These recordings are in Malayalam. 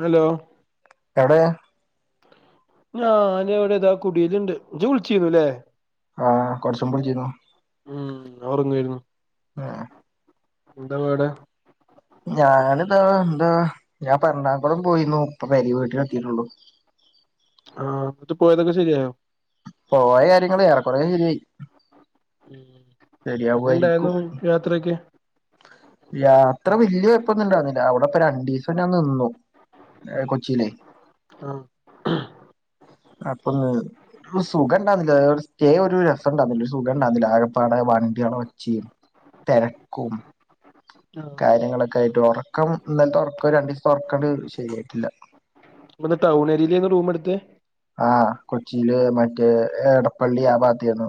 ഹലോ എവിടെയാ ഞനിവിടിതാ കുടിയിലുണ്ട് ജ്ജ് വിളിച്ചിരുന്നു ല്ലേ ആഹ് കുറച്ചുമുമ്പ് വിളിച്ചിരുന്നു ഉ ഉറങ്ങായിരുന്നു ഉം എന്താവടെ ഞാനിതാ എന്താ ഞാൻ എറണാകുളം പോയിരുന്നു ഇപ്പൊ പരി വീട്ടില് എത്തിയിട്ടുള്ളു ആഹ് എന്നിട്ട് പോയതൊക്കെ ശരിയായൊ പോയ കാര്യങ്ങലള് ഏറെക്കുറെ ശരിയായി ഉം. എങ്ങനെ ശരിയാവുമായിരിക്കും ഉണ്ടായിരുന്നു യാത്രയൊക്കെ? യാത്ര വല്യ കുഴപ്പൊന്നും ഉണ്ടായിരുന്നില്ല അവിടെ ഇപ്പ രണ്ടീസം ഞാൻ നിന്നു. ഏ ഉം. കൊച്ചിയിലേ ആ അപ്പൊന്ന് ഒരു സുഖം ഉണ്ടായിരുന്നില്ല സ്റ്റേ ഒരു രസം ഉണ്ടാരുന്നില്ല ഒരു സുഖം ഉണ്ടാരുന്നില്ല ആകപ്പാടെ വണ്ടികളെ ഒച്ചയും തിരക്കും ആ കാര്യങ്ങളൊക്കെ ആയിട്ട് ഉറക്കം ഇന്നലത്തെ ഉറക്കം രണ്ടു ദിവസത്തെ ഉറക്കാണ്ട് ശരിയായിട്ടില്ല. ടൗൺ ഏരിയായിൽ ചെന്നാ റൂമെടുത്തെ ആ കൊച്ചിയില് മറ്റേ എടപ്പള്ളി ആ ഭാഗത്ത് ചെന്നു.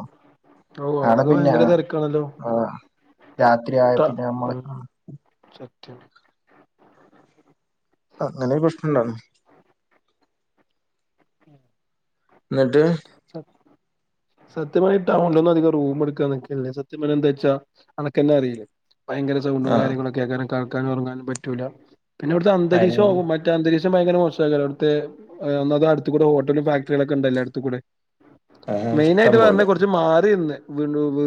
ഓ അവിടത് ഭയങ്കര തിരക്കാണല്ലോ? ആ രാത്രിയായ ത പിന്നെ നമ്മള് ഉം ആഹ് സത്യാണ്. അങ്ങനെ ഒരു പ്രശ്നം ഉണ്ടാർന്ന് എന്നിട്ട് സത്യപറഞ്ഞാ ടൗണിലൊന്നും അധികം റൂം എടുക്കാൻ നിക്കരുത്. സത്യം പറഞ്ഞ എന്താച്ചാ അനക്ക് തന്നെ അറിയില്ലേ ഭയങ്കര സൗണ്ടും ആഹ് കാര്യങ്ങളായ്കാരം കിടക്കാനും ഉറങ്ങാനും പറ്റൂല്ല. പിന്നെ അവിടുത്തെ അന്തരീക്ഷം അയന്നെ [unintelligible] ത്തെ അന്തരീക്ഷം ഭയങ്കര മോശായ്കാരം അവിട്ത്തെഏഹ് ന്ന്ച്ചാ അടുത്ത് കൂടെ ഹോട്ടലും ഫാക്ടറികളൊക്കെ ഉണ്ടല്ലോ അടുത്തു കൂടെ. ആഹ് ഇഷ്ടം മെയിനായിട്ട് പറഞ്ഞ പോലെ കുറച്ച് മാറി നിന്ന് വീ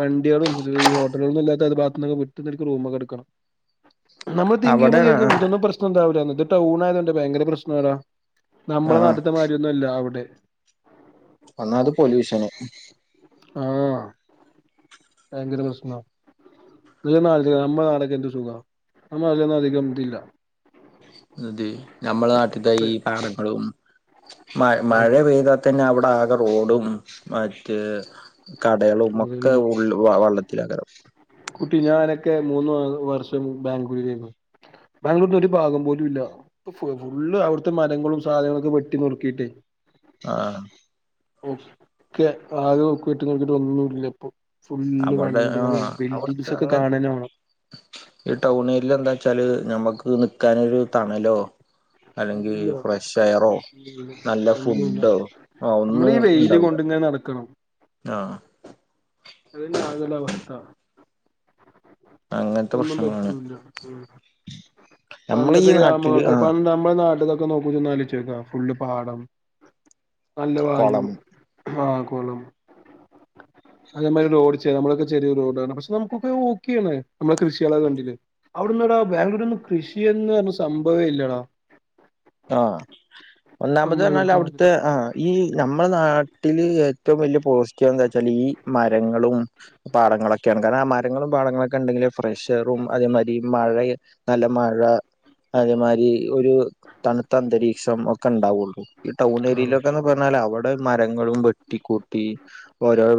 വണ്ടികളും ഈ ഹോട്ടലുകളന്നുംല്ലാത്ത ആ ഭാഗത്ത് നിന്നക്കെ വിട്ടുന്നനിക്കണ റൂമൊക്കെ എടുക്കണം. നമ്മൾ തിങ്ക് അവിടെ ചെയ്യുമ്പോ ആഹ് [unintelligible] പ്രശ്‌നമുണ്ടാവില്ല ഇത് ടൗൺ ആയത് കൊണ്ട് ഭയങ്കര പ്രശ്നം ആടാ നമ്മുടെ ആഹ് നാട്ടുത്തെ മാതിരിയൊന്നുമല്ല അവിടെ ഒന്നാമത് പൊല്യൂഷന് ആഹ് ഭയങ്കര പ്രശ്നമാ നീ തന്നെ ആലോചിച്ചു നോക്ക് നമ്മുടെ നാടൊക്കെഎന്ത് സുഖവാ നമ്മടെ നാട്ടിലൊന്നും അധികം ഇത് ഇല്ല അതെ നമ്മടെ നാട്ടുത്തെ ഈ പാടങ്ങളും മഴ മഴ പെയ്താൽ തന്നെ അവിടെ ആകെ റോഡും മറ്റ് കടകളും ഒക്കെ അതന്നെ ഉള്ള വെള്ളത്തിലാകാരം കുട്ടി ഞാനൊക്കെ മൂന്ന് വർഷം ബാംഗ്ലൂരിലായിരുന്നു ബാംഗ്ലൂരിന്റെ ഒരു ഭാഗം പോലും ഇല്ല ഫുള്ള് അവിടുത്തെ മരങ്ങളും സാധനങ്ങളും ഒക്കെ വെട്ടി നുറുക്കിയിട്ടേ ആഹ് ഒക്കെ ആദ്യം നോക്കിയിട്ട് നോക്കിയിട്ട് ഒന്നും ഇല്ല ഇപ്പൊ ഫുള്ള് അവിടെ ആഹ് വണ്ടികളും അവിടുത്തെ ബിൽഡിംഗ്സ് ഒക്കെ അങ്ങനെ കാണുക തന്നെ വേണം ഈ ടൗൺ ഏരിയായിൽ എന്താ വച്ചാല് ഞമ്മക്ക് നിക്കാനൊരു തണലോ അല്ലെങ്കി ഇല്ല ഫ്രഷ് എയറോ നല്ല ഒന്നുല്ല ഫുഡോ ആഹ് നമ്മള് ഒന്നും ഈ വെയില് ഉണ്ടാവില്ല കൊണ്ടിങ്ങനെ നടക്കണം ആഹ് അത് തന്നെ ആകെയുള്ള അവസ്ഥ അങ്ങനത്തെ ഒന്നും പ്രശ്നങ്ങളാണ് പറ്റൂല്ല മ്മ് നമ്മളെ ഈ പണ്ടത്തെ നാട്ടില് ഗ്രാമങ്ങൾക്ക് ആ പണ്ട് നമ്മുടെ നാട്ടിലെ ഒന്ന് നോക്ക് ഒന്ന് ആലോചിച്ചു നോക്ക് ഫുള്ള് പാടം നല്ല വായു കൊളം ആഹ് കൊളം അതേ മാതിരി റോഡ് നമ്മൊക്കെ ചെറിയ റോഡാണ് പക്ഷെ നമുക്കൊക്കെ ഓക്കെയാണ് നമ്മളെ കൃഷികളെല്ലാം കണ്ടില്ലേ അവിടുന്ന്ടാ ബാംഗ്ലൂർ ഒന്നും കൃഷി എന്ന് പറഞ്ഞ സംഭവേ ഇല്ലടാ ആഹ് ഒന്നാമത് നമ്മളെ പറഞ്ഞാൽ ഇവിടുത്തെ അവിടുത്തെ ആഹ് ഈ നമ്മുടെ നാട്ടില് ഏറ്റവും വലിയ പോസിറ്റീവ് എന്താ വച്ചാല് ഈ മരങ്ങളും പാടങ്ങളൊക്കെയാണ് കാരണം ആ മരങ്ങളും പാടങ്ങളൊക്കെ ഇണ്ടെങ്കിലെ ഫ്രഷ് എയറും അതേ മാതിരി മഴയും നല്ല മഴ അതേമാതിരി ഒരു തണുത്ത അന്തരീക്ഷം ഒക്കെ ഇണ്ടാവുള്ളൂ ഈ ടൗൺ ആഹ് ഏരിയയിലൊക്കെന്ന് പറഞ്ഞാൽ അവിടെ മരങ്ങളും വെട്ടിക്കൂട്ടി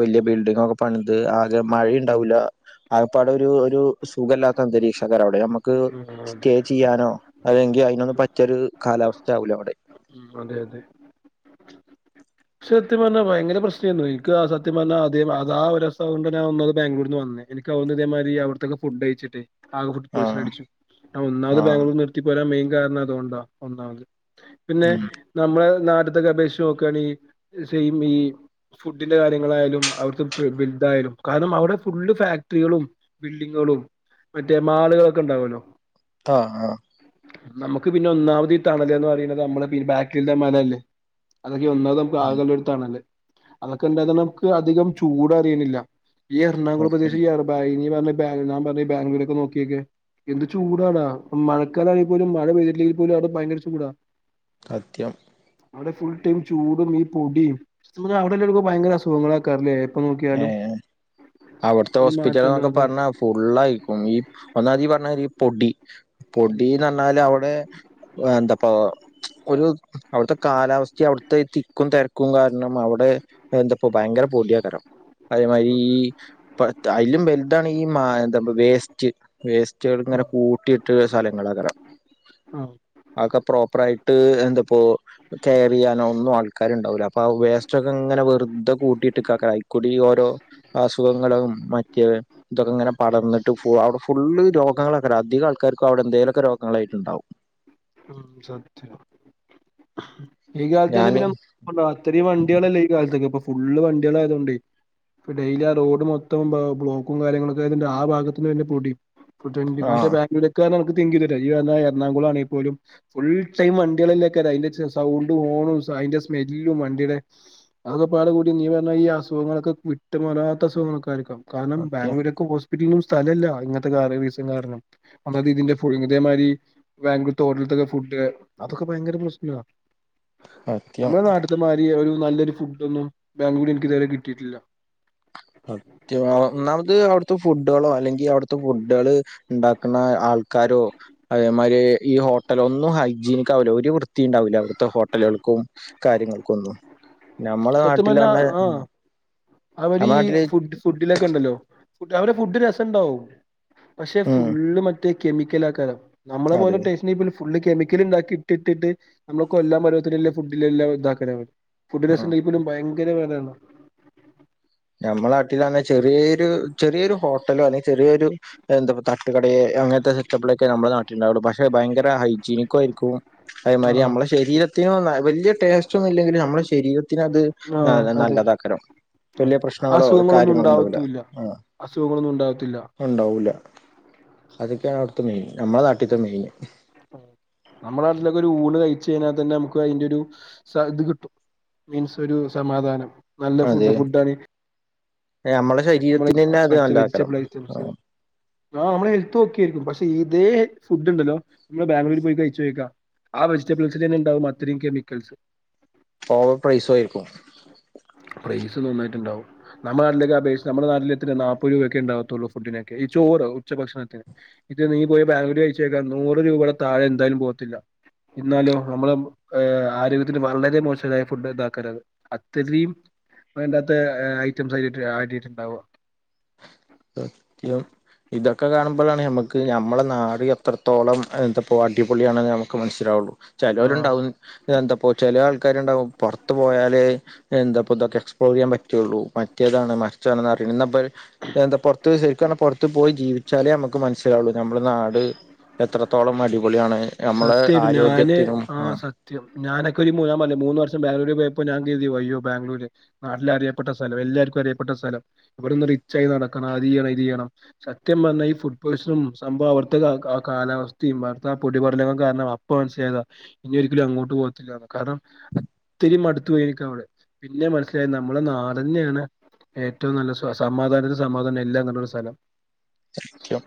വലിയ ബിൽഡിംഗ് ഒക്കെ പണിത് ആകെ മഴയും ഉണ്ടാവില്ല ആകപ്പാടെ ഒരു ഒരു സുഖമില്ലാത്ത അന്തരീക്ഷ പറയാ അവിടെ നമുക്ക് അതെ സ്റ്റേ ചെയ്യാനോ അതെങ്കിൽ അതിനൊന്നും പറ്റിയ ഒരു കാലാവസ്ഥയാവില്ല അവിടെ മ്മ് അതേ അതെ സത്യം പറഞ്ഞാ ഭയങ്കര പ്രശ്നാരുന്നു എനിക്ക് ആ സത്യ പറഞ്ഞാ അ അത് ആ ഒരു അവസ്ഥ കൊണ്ടാ ഞാൻ വന്നത് ബാംഗ്ലൂർ നിന്ന് വന്നേ എനിക്കവുന്ന ഇതേമാതിരി അവിടത്തൊക്കെ ഫുഡ് കയിച്ചിട്ടെ ആ ഫുഡ് പോയിസൺ ആഹ് അടിച്ചു ഒന്നാമത് ആഹ് ബാംഗലൂര് നിർത്തി പോരാൻ മെയിൻ കാരണം അതുകൊണ്ടാ ഒന്നാമത് പിന്നെ ഉം നമ്മളെ നാട്ടുത്തൊക്കെ അപേക്ഷിച്ച് നോക്കുവാണെങ്കി സെയിം ഈ ഫുഡിന്റെ കാര്യങ്ങളായാലും അവിടുത്തെ ബലുതായാലും കാരണം അവിടെ ഫുള്ള് ഫാക്ടറികളും ബിൽഡിങ്ങുകളും മറ്റേ മാളുകളൊക്കെ ഉണ്ടാവൂല്ലോ ആഹ് ആഹ് നമുക്ക് പിന്നെ ഒന്നാമത് ഈ തണലന്ന് പറയണത് നമ്മളെ ബാക്കിലത്തെ മലയല്ലേ അതൊക്കെ ഒന്നാത് നമുക്ക് ആകെ ഉള്ളൊരു തണല് അതൊക്കെ ഉണ്ടായത് നമുക്ക് അധികം ചൂട് അറിയണില്ല ഈ എറണാകുളം സത്യം പ്രദേശം [unintelligible] ഞാൻ പറഞ്ഞ ഈ ബാഗ്‌ളൂരൊക്കെ നോക്കിയൊക്കെ എന്ത് ചൂടാടാ മഴക്കാലം ആണെങ്കിൽ പോലും മഴ പെയ്ല്ലെങ്കിൽ പോലും അവിടെ ഭയങ്കര ചൂടാ സത്യം അവിടെ ഫുൾ ടൈം ചൂടും ഈ പൊടിയും അസുഖാ അവിടെ ഉള്ളവർക്ക് ഭയങ്കര അസുഖങ്ങളെയ്ക്കാരം അല്ലേ ഏഹ് അവിടുത്തെ ഒരു ഹോസ്പിറ്റല് എന്നൊക്കെ മാറ്റല്ലാതെ പറഞ്ഞാ ഫുള്ളായിരിക്കും ഈ ഒന്നാമത് ഈ പറഞ്ഞ മാതിരി ഈ പൊടി പൊടീ എന്ന് പറഞ്ഞാല് അവിടെ എന്തപ്പോ ഒരു അവിടുത്തെ കാലാവസ്ഥയും അവിടുത്തെ ഈ തിക്കും തിരക്കും കാരണം അവിടെ എന്താപ്പോ ഭയങ്കര പൊടി ആയിക്കാരം അതേ മാതിരി ഈ ഇപ്പ അതിലും വലുതാണ് ഈ മാ എന്താ വേസ്റ്റ് വേസ്റ്റുകൾ ഒക്കെ ഇങ്ങനെ ആഹ് കൂട്ടിയിട്ടെ സ്ഥലങ്ങള് ആയ്കാരം ആഹ് അതൊക്കെ പ്രോപ്പർ ആയിട്ട് എന്താപ്പോ കെയർ ചെയ്യാനോ ഒന്നും ആൾക്കാര് ഉണ്ടാവൂല്ല അപ്പൊ ആ വേസ്റ്റ് ഒക്കെ ഇങ്ങനെ വെറുതെ കൂട്ടിയിട്ട് ക കൂടി ഓരോ അസുഖങ്ങളും മാറ്റിയവെ ഇതൊക്കെ ഇങ്ങനെ പടർന്നിട്ട് ഫു അവിടെ ഫുള്ള് രോഗങ്ങള് ആയിക്കാരം അധിക ആൾക്കാർക്കും അവിടെ എന്തേലൊക്കെ രോഗങ്ങളായിട്ട് ഉണ്ടാവും [inaudible] ഈ കാലത്ത് തന്നെ ഞാന് പിന്നെ ഇപ്പം രാത്രിയും വണ്ടികളല്ലേ ഈ കാലത്തൊക്കെ ഇപ്പൊ ഫുള്ള് വണ്ടികള് ആയതുകൊണ്ടേയ് ഇപ്പ ഡെയിലി ആ റോഡ് മൊത്തം ബ ബ്ലോക്കും കാര്യങ്ങളൊക്കെ ആയതിന്റെ ആ ഭാഗത്തിന്ന് വരുന്ന പൊടി [unintelligible] ആ എറണാകുളം ആണേൽ പോലും ഫുൾ ടൈം വണ്ടികളല്ലെ ആയിക്കാരം അതിന്റെ സൗണ്ടും ഹോണും അതിന്റെ സ്മെല്ലും വണ്ടിയുടെ അത് ഒക്കെപ്പാടെ കൂടി നീ പറഞ്ഞ മാതിരി ഈ അസുഖങ്ങളൊക്കെ വിട്ട് മാറാത്ത അസുഖങ്ങങ്ങള് ഒക്കെ ആയിരിക്കാം കാരണം സത്യം ബാംഗലൂരൊക്കെ ഹോ ത്തിരിയും സ്ഥലം ഇല്ല ഇങ്ങനത്തെ കാര്യം ബിസിയും കാരണം അതായത് ഇതിന്റെ ഫുൾ ഇതേ മാതിരി ബാംഗ്ലൂ ഹോട്ടൽത്തൊക്കെ ഫുഡ് അതൊക്കെ ഭയങ്കര പ്രശ്നാ സത്യം നമ്മുടെ നാട്ടി ത്തെ മാതിരി ഒരു നല്ല ഒരു ഫുഡ് ഒന്നും ബാഗ്ലൂര് എനിക്ക് ഇതുവരെ കിട്ടിയിട്ടില്ല സത്യവാ ഒന്നാമത് അവിടുത്തെ ഫുഡുകളോ അല്ലെങ്കിൽ അവിടുത്തെ ഫുഡുകള് ഉണ്ടാക്കുന്ന ആൾക്കാരോ അതേമാതിരി ഈ ഹോട്ടലോ ഒന്നും ഹൈജീനിക്ക ആവില്ല ഒരു വൃത്തിയും ഉണ്ടാവില്ല അവിടുത്തെ ഹോട്ടലുകൾക്കും കാര്യങ്ങൾക്ക് ഒന്നും സത്യം പറഞ്ഞാ ആഹ് അവര് നമ്മ ഈ നാട്ടില് ഫുഡ് ഫുഡിലെ ക്കെ ഉണ്ടല്ലോ ഫുഡ് അവരെ ഫുഡ് രസം ഉണ്ടാവും പക്ഷെ ഉം ഫുള്ള് മ റ്റേ കെമിക്കൽ ആയ്ക്കാരം നമ്മളെ പോല അതെ ടേസ്റ്റ് ഉണ്ടെങ്കി പിന്നെ ഫുള്ള് കെമിക്കല് ഉണ്ടാക്കി ഇട്ട് ഇട്ട് ഇട്ട് നമ്മളെ കൊല്ലാൻ വരെത്തിലുള്ള ഫുഡ്ല് എല്ലാം ഇതാക്കലാണ് ഫുഡ് ആ രസം ഉണ്ടങ്കിപ്പോലും ഭയങ്കര വിലയാണല്ലോ ഞമ്മളെ നട്ടിലാണേൽ ചെറ്യേ ഒരു ചെറിയൊരു ഹോട്ടലോ അല്ലെങ്കി ചെറിയൊരു എന്താപ്പ തട്ടുകടയേ അങ്ങനത്തെ ഇതൊക്കെ ഇവടെ ഒക്കെ നമ്മളെ നാട്ടില് ഉണ്ടാവുള്ളു പക്ഷെ ഭയങ്കര ഹൈജീനിക്കും ആയിരിക്കും അതേ മാതിരി ആഹ് നമ്മളെ ശരീരത്തിനും വല്ല്യ ടേസ്റ്റ് ഒന്നും ഇല്ലെങ്കിലും നമ്മളെ ശരീരത്തിന് അത് ആഹ് നല്ല അതെ നല്ലത് അയ്ക്കാരം ആഹ് വല്ല്യ പ്രശ്നങ്ങളോ അസുഖങ്ങളൊന്നും കാര്യങ്ങളൊ ഉണ്ടാവൂല ഉണ്ടാവത്തൂല്ല ആഹ് അസുഖങ്ങളൊന്നും ഉണ്ടാവത്തില്ല ഉണ്ടാവൂല്ല അതൊക്കെയാണ് അവിടുത്തെ മെയിൻ നമ്മളെ നാട്ടിൽത്തെ മെയിൻ നമ്മളെ നാട്ടിലൊക്കെ ഒരു ഊണ് കഴിച്ച് കഴിഞ്ഞാ തന്നെ നമുക്ക് അയിന്റെ ഒരു സ ഇത് കിട്ടും മീൻസ് ഒരു സമാധാനം നല്ല അതെ ഫുഡ് ഫുഡാണ് നമ്മളെ നമ്മളെ ശരീരത്തിന് തന്നെ അത് പച്ച നല്ലതാക്കരം വെജിറ്റബിൾ ഐറ്റംസ് ആഹ് നമ്മളെ ഹെൽത്ത് ഓക്കെ ആയിരിക്കും പക്ഷെ ഇതേ ഫുഡ് ഉണ്ടല്ലോ നമ്മള് ബാംഗ്ലൂര് പോയി കഴിച്ചോക്കാ ആ വെജിറ്റബിൾസില് തന്നെ ഉണ്ടാവും അത്രയും കെമിക്കൽസ് ഓവർ പ്രൈസും ആയിരിക്കും പ്രൈസ് നന്നായിട്ട് ഉണ്ടാവും നമ്മളെ നാട്ടിലൊക്കെ പ്രൈസ് നമ്മള നാട്ടിലെത്ര നാല്പ്പത് രൂപൊക്കെ ഇണ്ടാവത്തുള്ളൂ ഫുഡ്ഡിനൊക്കെ, ഈ ചോറ് ഉച്ച ഭക്ഷണത്തിന്. ഇത് നീ പോയി ബാംഗ്ലൂര് കഴിച്ചോക്ക്, നൂറ് രൂപയുടെ താഴെ എന്തായാലും പോകത്തില്ല. ഇന്നാലോ നമ്മളെ ഏഹ് ആരോഗ്യത്തിന് വളരെ മോശായ ഫുഡ്ഡ് ഇതാക്കരത്. അത്തരീം വേണ്ടാത്ത ഐറ്റംസ് അയിലിട്ട് ആഡെയ്ത്ട്ട്ണ്ടാവാ. സത്യം ഇതൊക്കെ കാണുമ്പളാണ് ഞമ്മക് ക്ക് ഞമ്മളെ നാട് എത്രത്തോളം എന്താപ്പോ അടിപൊളി ആണെന്ന് ഞമ്മക്ക് മനസിലാവുള്ളു. ആ ചെലോല്ണ്ടാവും എന്തപ്പോ ചെല ആൾക്കാര്ണ്ടാവും പൊറത്തു പോയാല് എന്തപ്പോ ഇതൊക്കെ എക്സ്പ്ലോർ ചെയ്യാൻ പറ്റൊള്ളൂ മറ്റേതാണ് മറിച്ചതാണ് പറയണ്. എന്ന ഇബല് എന്താ പൊറത്ത് ശരിക്ക് പറഞ്ഞ പൊറത്ത് പോയി ജീവിച്ചാലേ ഞമ്മക്ക് മനസ്സിലാവുള്ളൂ ഞമ്മളെ നാട് എത്രത്തോളം അടിപൊളിയാണ് ഞമ്മളെ ആരോഗ്യത്തിനും ആഹ് ത്യം. ഞാനൊക്കെ ഒരു ഞാൻ പറഞ്ഞില്ലേ മൂന്ന് വർഷം ബാംഗ്ലൂര് പോയപ്പോ ഞാൻ കരുതി അയ്യോ ബാംഗ്ലൂര് നാട്ടിൽ അറിയപ്പെട്ട സ്ഥലം എല്ലാർക്കും അറിയപ്പെട്ട സ്ഥലം ഇവിടൊന്ന് റിച്ചായി നടക്കണം അതെയ്യണം ഇതെയ്യണം സത്യം പറഞ്ഞ ഈ ഫുഡ് പോയ്സണും സംഭവ അവട്ത്ത ആ കാലാവസ്ഥയും അവടത്താ പൊടി ടി പടലങ്ങളും കാരണം അപ്പ മനസ്സിലായതാ ഇനി ഒരിക്കലും അങ്ങോട്ട് പോകത്തില്ലാന്ന്, കാരണം അത്തിരിം മടുത്തു പോയി എനിക്കവിടെ. പിന്നെ മനസ്സിലായി നമ്മളെ നാടന്നേണ് ഏറ്റവും നല്ല സ സമാധാനത്തിന് സമാധാനം, എല്ലാം നല്ലൊരു സ്ഥലം. സത്യം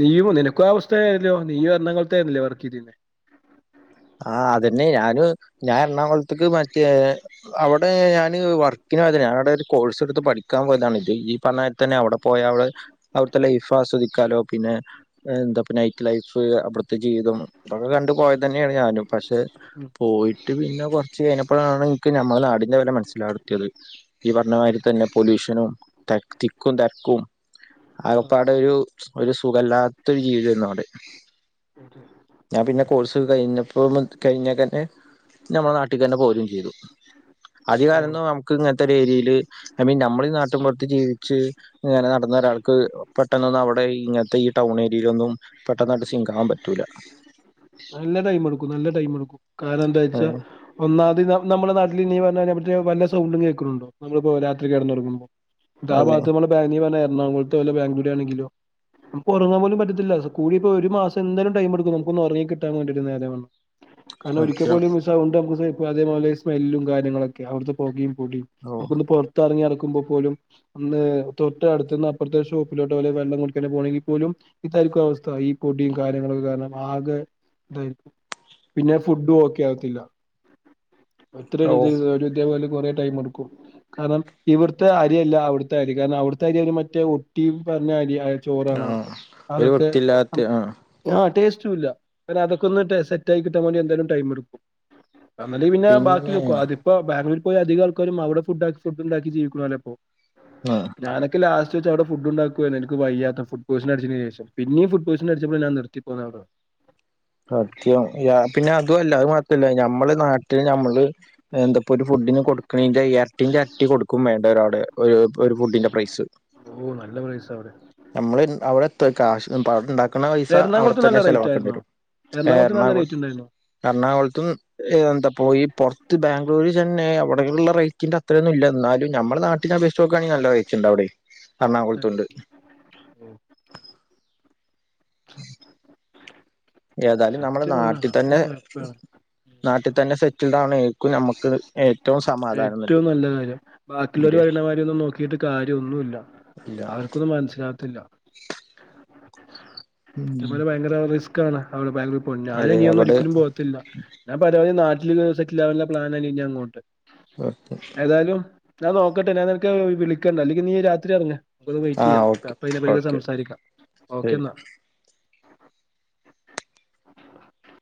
നീയും നിനക്കും ആ അവസ്ഥ ആയല്ലോ. നീയും എറണാകുളത്തായിരുന്നില്ലേ വർക്കെയ്തിരുന്നെ. ആഹ് അതന്നെ ഞാനും, ഞാൻ എറണാകുളത്ത്ക്ക് മറ്റേ അവടെ ഞാന് വർക്കിനോയതല്ല. ഞാനവടെ ഒരു കോഴ്സ് എടുത്ത് പഠിക്കാൻ പോയതാണ്. ഇത് ഈ പറഞ്ഞ ത്തന്നെ അവിടെ പോയാ അവടെ അവിടത്തെ ലൈഫ് ആസ്വദിക്കാലോ പിന്നെ എന്താപ്പ നൈറ്റ് ലൈഫ് അവിടത്തെ ജീവിതം ഇതൊക്കെ കണ്ടുപോയതന്നെ യാണ് ഞാനും. പക്ഷെ പോയിട്ട് പിന്നെ കൊറച്ച് കയിഞ്ഞ പ്പഴാണ് ഇൻക്ക് ഞമ്മളെ നാടിന്റെ വില മനസ്സിലാടെത്തിയത്. ഈ പറഞ്ഞമാരിത്തന്നെ പൊല്യൂഷനും തെക് തിക്കും തെരക്കും, ആകപ്പാടൊരു ഒരു സുഖല്ലാത്തൊരു ജീവിതേര്ന്നു അവിടെ. ആ ഞാൻ പിന്നെ കോഴ്സ് ത്ത് കഴിഞ്ഞപ്പോ കഴിഞ്ഞേക്കെന്നെ ഞമ്മളെ നാട്ടിക്കന്നെ പോരും ചെയ്തു. അധിക ഓ കാലൊന്നും ഞമ്മക്ക് ഇങ്ങനത്തൊരേരിയയില് ഐ മീൻ ഞമ്മളീ നാട്ടിൻ പൊറത്ത് ജീവിച്ച് ഇങ്ങനെ നടന്നൊരാൾക്ക് പെട്ടന്നൊന്നും അവിടെ ഇങ്ങനത്തെ ഈ ടൗൺ ഏരിയെലൊന്നും പെട്ടെന്നാട്ട് സിങ്ക് ആവാൻ പറ്റൂല. നല്ല ടൈമ്ട്ക്കും നല്ല ടൈമ്ട്ക്കും. ഏ കാരണന്താച്ചാ ഒന്നാമതി ന നമ്മള നാട്ടിലീ നീ പറഞ്ഞമാതിരി എവിടേം വല്ല സൗണ്ടും കേൾക്കുന്നുണ്ടോ, നമ്മളിപ്പോ രാത്രി കിടന്ന് ഒറങ്ങുമ്പോ? ഇതാ അതെ ഭാഗത്ത് നമ്മളിപ്പ നീ പറഞ്ഞ എറണാകുളത്തൊ വല്ല ബാംഗ്ളൂർ ആണെങ്കിലോ? നമ്മക്ക് ഒറങ്ങാൻ പോലും പറ്റത്തില്ല കൂടിപ്പോയ ഒരു മാസം എന്തായാലും ടൈം എടുക്കും നമുക്കൊന്ന് ഒറങ്ങി കിട് ട്ടാൻ വേണ്ടിട്ട് നേരാവണ്ണം കാരണം അത്ര ഒരിക്കപ്പോലും മിസ് സൗണ്ട് അമ്മക്ക് സേഫ് അതേപോലെ സ്മെല്ലും കാര്യങ്ങളൊക്കെ, അവിടുത്തെ പൊകയും പൊടിയും. ഓ നമുക്കൊന്ന് പൊറ ത്തെറങ്ങി നടക്കുമ്പോൾ പോലും ഒന്ന് തൊട്ടടുത്ത്ന്ന് അപ്പുറത്തെ ഷോപ്പിലോട്ട് പോലെ വെള്ളം കുടിക്കണെ പോണെങ്കിൽ പോലും ഇതായിരിക്കും അവസ്ഥ, ഈ പൊടിയും കാര്യങ്ങളൊക്കെ കാരണം ആകെ ഇതായി. പിന്നെ ഫുഡ്ഡും ഓ ക്കെ ആവത്തില്ല. എത്ര ഓ [unintelligible] ഇതേപോലെ കൊറേ ടൈം എടുക്കും. കാരണം ഇവിടുത്തെ അരിയല്ല അവിടുത്തെ അരി. കാരണം അവിടുത്തെ അരി അവര് മറ്റേ ഒട്ടി പറഞ്ഞരിയാ ചോറാണ് ആ അവിടുത്തെ. ഒരു അതൊക്കെ വൃത്തിയില്ലാത്ത ആ ആഹ് ടേസ്റ്റുല്ല. ഒരു അതൊക്കെ ഒന്ന് സെറ്റായിക്കിട്ടാൻ വേണ്ടി എന്തായാലും ടൈം എടുക്കും. എന്നല് പിന്നെ ബാക്കിലിക്കു ആദ്യം ഇപ്പൊ ബാംഗ്ലൂർ പോല അധിക ആൾക്കാരും അവിടെ ഫുഡ് ഉണ്ടാക്കി ജീവിക്കണോലാപ്പോ ആ ഞാനൊക്കെ ലസ് അവിടെ ഫുഡ് ഉണ്ടാക്കുവാ എനിക്ക് വയ്യാത്ത ഫുഡ് പോസൺ അടിച്ചന് ശേഷം പിന്ന ഫുഡ് പോയിസ അടിച്ചപ്പോൾ ഞാ നിർത്തി പോന്നവിടെ സത്യം പിന്നെ അതുല്ല അത് മാത്രല്ല ഞമ്മള് നാട്ടില് നമ്മള് എന്താപ്പൊ ഒരു ഫുഡിന് കൊടുക്കണന്റെ ഇരട്ടിന്റെ ഇരട്ടി കൊടുക്കും വേണ്ട ഒരാ ഫുഡിന്റെ പ്രൈസ് ഓഹ് നല്ല പൈസ അവടെ നമ്മൾ അവിടെ കാശ് അവിടെണ്ടാക്കുന്ന പൈസ എറണാകുളത്ത് നല്ല അവിടെത്തന്നെ റേറ്റ് ചെലവാക്കേണ്ടി ആയിരുന്നോ വരും എറണാകുളത്ത് നല്ല എറണാകുള റേറ്റ് ഉണ്ടായിരുന്നോ എറണാകുളത്തും ഏ എന്താ പോ ഈ പുറത്ത് ബാംഗ്ലൂര്ൽ തന്നെ അവിടെുള്ള റേറ്റിന്റെ അത്രൊന്നും ഇല്ല എന്നാലും നമ്മുടെ നാട്ട [unintelligible] എറണാകുളത്തുണ്ട് ഏതായാലും നമ്മുടെ സത്യം പറഞ്ഞ നാട്ടിൽ അതൊക്കെ തന്നെ സ്വയപ്പാണ് നാട്ടിൽ തന്നെ സെറ്റിൽഡ് ആവുന്നേക്കും നമ്മക്ക് ഏ ഏറ്റവും നല്ല കാര്യം ബാക്കിളവർ അതെ പറയുന്ന മാരി നോക്കിട്ട് കാര്യമൊന്നുമല്ല ഇല്ല അവർക്കൊന്നും മനസ്സിലകത്തില്ല ഉം പോലെ ഭയങ്കര റിസ്ക്ക ആണ് അവിടെ ഭയങ്കര പോ ഞാനി അതെ നി ഒന്നും അവിടെ ഒരിക്കലും പോകത്തില്ല ഞാൻ പരവധി നാട്ടില് സെറ്റിൽ ആവാനുള്ള പ്ലാന ആയി ഇൻ അങ്ങോട്ട് ഏതായാലും ഞാ നോക്കട്ടെ ഞൻ നിനക്ക് വിളിക്കണ്ട അല്ലങ്കി നീ രാത്രി ഇറങ്ങ നമുക്കൊന്ന് വെയിറ്റ് ആ ചെയ്യാം ഓക്കെ അപ്പ ഇതിനെ പറ്റി ഓക്കെ സംസാരിക്കാം ശരി ഓക്കെ എന്നാ [inaudible]